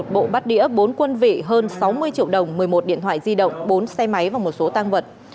một bộ bắt đĩa bốn quân vị hơn sáu mươi triệu đồng một mươi một điện thoại di động bốn xe máy và một số tăng vật